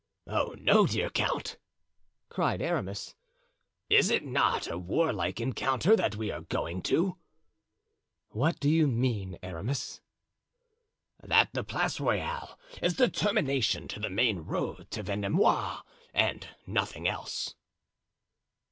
"Oh, no, dear count!" cried Aramis, "is it not a warlike encounter that we are going to?" "What do you mean, Aramis?" "That the Place Royale is the termination to the main road to Vendomois, and nothing else."